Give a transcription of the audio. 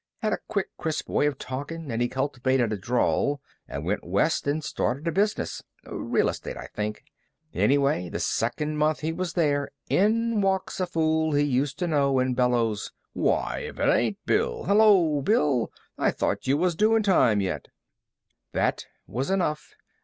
Had a quick, crisp way of talkin', and he cultivated a drawl and went west and started in business. Real estate, I think. Anyway, the second month he was there in walks a fool he used to know and bellows: 'Why if it ain't Bill! Hello, Bill! I thought you was doing time yet.' That was enough.